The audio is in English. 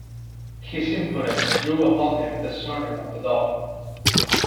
His impudence drew upon him the surname of the dog.